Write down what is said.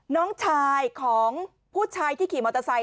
น้องชายของผู้ชายที่ขี่มอเตอร์ไซค